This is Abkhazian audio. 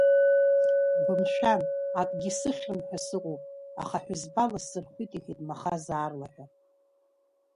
Бымшәан, акгьы сыхьрым ҳәа сыҟоуп, аха ҳәызбала сырхәит, — иҳәеит Махаз аарлаҳәа.